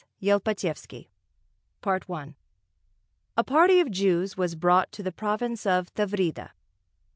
YELPATYEVSKY I A party of Jews was brought to the province of Tavrida.